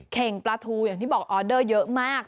เข่งปลาทูอย่างที่บอกออเดอร์เยอะมาก